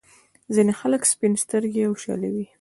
ځينې خلک سپين سترګي او شله وي.